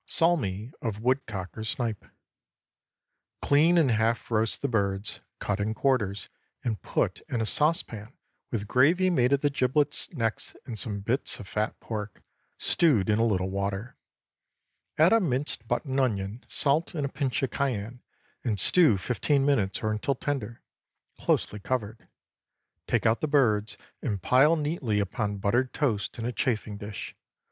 SALMI OF WOODCOCK OR SNIPE. Clean and half roast the birds; cut in quarters, and put in a saucepan with gravy made of the giblets, necks, and some bits of fat pork, stewed in a little water. Add a minced button onion, salt, and a pinch of cayenne, and stew fifteen minutes or until tender, closely covered. Take out the birds, and pile neatly upon buttered toast in a chafing dish.